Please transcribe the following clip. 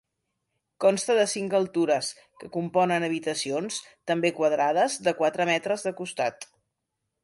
Consta de cinc altures, que componen habitacions, també quadrades, de quatre metres de costat.